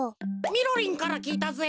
みろりんからきいたぜ。